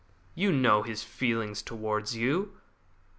You know his feeling towards you.